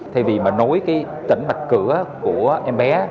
thay vì mà nối tỉnh mạch cửa của em bé